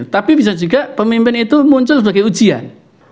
tapi bisa juga pemimpin itu muncul sebagai ujian